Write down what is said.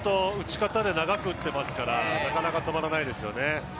長く打っていますからなかなか止まらないですよね。